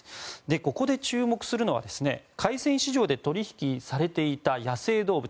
ここで注目するのは海鮮市場で取り引きされていた野生動物。